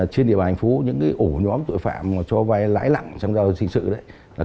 trên địa bàn hành phố những ổ nhóm tội phạm cho vay lãi nặng trong giao dịch dân sự